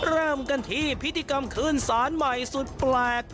เริ่มกันที่พิธีกรรมขึ้นสารใหม่สุดแปลก